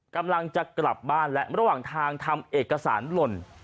กำลังจะกลับบ้านและระหว่างทางทำเอกสารหล่น